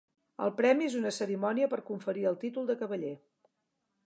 El premi és una cerimònia per conferir el títol de cavaller.